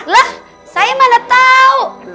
lah saya mana tau